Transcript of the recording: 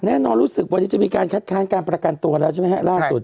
แน่นอนรู้สึกวันนี้จะมีการคัดค้านการประกันตัวแล้วใช่ไหมฮะล่าสุด